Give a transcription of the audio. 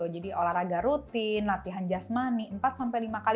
jadi olahraga rutin latihan just money empat lima kali seminggu